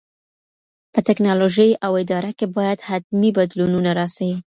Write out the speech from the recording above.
په ټیکنالوژۍ او اداره کي باید حتمي بدلونونه راسي.